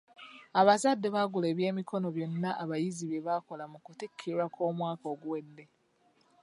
Abazadde baagula eby'emikono byonna abayizi bye bakola mu kutikkirwa kw'omwaka oguwedde .